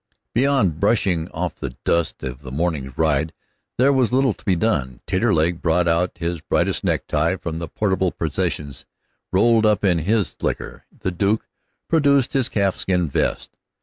Beyond brushing off the dust of the morning's ride there was little to be done. Taterleg brought out his brightest necktie from the portable possessions rolled up in his slicker; the Duke produced his calfskin vest.